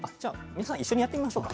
皆さん一緒にやってみましょうか。